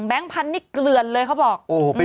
แบงค์พันธุ์เกลือนเลยเขาบอก